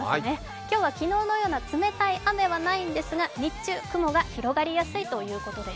今日は、昨日のような冷たい雨はないんですが、日中、雲が広がりやすいということです。